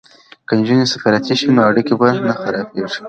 که نجونې سفیرانې شي نو اړیکې به نه خرابیږي.